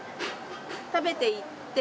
「食べていってなぁ！」